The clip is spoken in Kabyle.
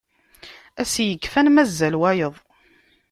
Ass yefkan mazal wayeḍ.